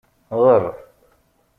Ɣer.